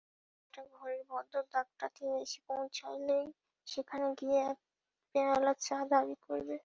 সময়টা ঘড়ির ভদ্র দাগটাতে এসে পৌঁছলেই সেখানে গিয়ে এক পেয়ালা চা দাবি করবে।